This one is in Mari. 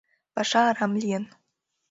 Паша арам лийын.